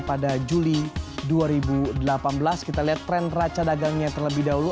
dan pada juli dua ribu delapan belas kita lihat tren raca dagangnya terlebih dahulu